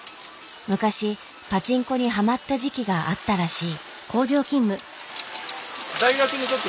昔パチンコにハマった時期があったらしい。